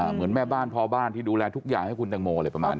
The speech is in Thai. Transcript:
เหมือนแม่บ้านพ่อบ้านที่ดูแลทุกอย่างให้คุณตังโมอะไรประมาณนี้